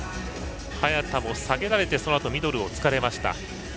早田も下げられてそのあとミドルを突かれました。